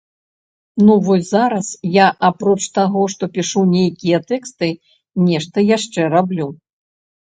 Ну вось зараз я апроч таго, што пішу нейкія тэксты, нешта яшчэ раблю.